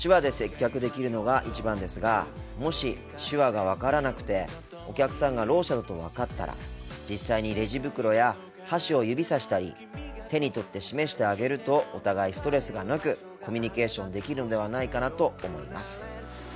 手話で接客できるのが一番ですがもし手話が分からなくてお客さんがろう者だと分かったら実際にレジ袋や箸を指さしたり手に取って示してあげるとお互いストレスがなくコミュニケーションできるのではないかなと思います。